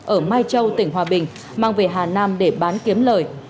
ở mai châu tỉnh hòa bình mang về hà nam để bán kiếm lời